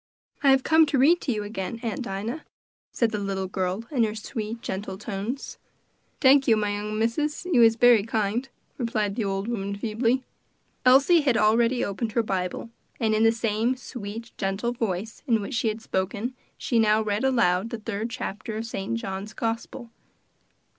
"I have come to read to you again, Aunt Dinah," said the little girl, in her sweet, gentle tones. "Tank you, my young missus; you is bery kind," replied the old woman feebly. Elsie had already opened her little Bible, and in the same sweet, gentle voice in which she had spoken, she now read aloud the third chapter of St. John's gospel.